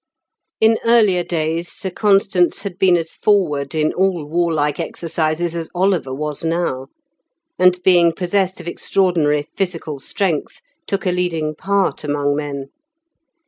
In earlier days Sir Constans had been as forward in all warlike exercises as Oliver was now, and being possessed of extraordinary physical strength, took a leading part among men.